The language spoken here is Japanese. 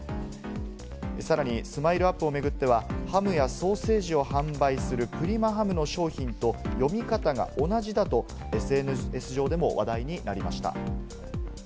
さらにＳＭＩＬＥ‐ＵＰ．を巡っては、ハムやソーセージを販売するプリマハムの商品と、読み方が同じだと、ＳＮＳ上でも話題になりました。